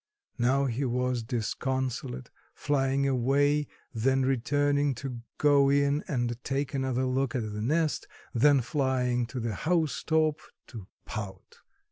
Now he was disconsolate, flying away, then returning to go in and take another look at the nest, then flying to the housetop to pout.